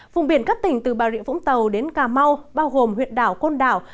vùng biển các tỉnh từ bà rịa vũng tàu đến cà mau bao gồm huyện đảo côn đảo